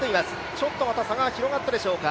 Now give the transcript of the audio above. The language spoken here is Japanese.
ちょっとまた差が広がったでしょうか。